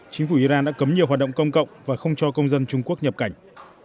chính phủ iran đã cấm nhiều hoạt động công cộng và không cho công dân trung quốc nhập cảnh